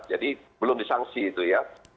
jadi belum disanksi itu ya